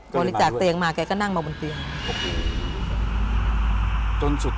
บริจาคเตียงมาแกก็นั่งมาบนเตียง